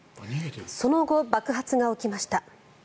その後、爆発が起きました。